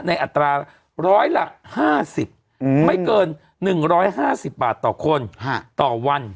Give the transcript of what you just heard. อัตราร้อยละ๕๐ไม่เกิน๑๕๐บาทต่อคนต่อวัน